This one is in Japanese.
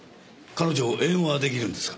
彼女英語が出来るんですか？